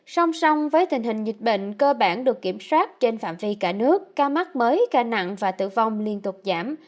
song song với tình hình dịch bệnh cơ bản được kiểm soát trên phạm vi cả nước ca mắc mới ca nặng và tử vong liên tục giảm